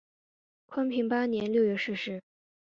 宽平八年六月逝世。